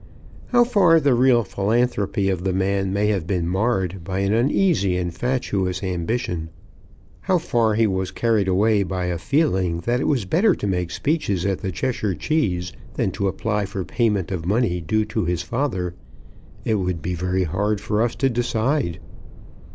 How far the real philanthropy of the man may have been marred by an uneasy and fatuous ambition; how far he was carried away by a feeling that it was better to make speeches at the Cheshire Cheese than to apply for payment of money due to his father, it would be very hard for us to decide.